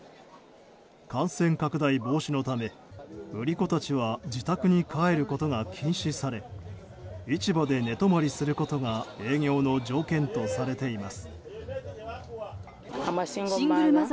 感染拡大防止のため売り子たちは自宅に帰ることが禁止され市場で寝泊まりすることが営業の条件とされています。